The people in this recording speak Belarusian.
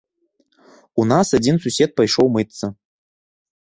У нас адзін сусед пайшоў мыцца.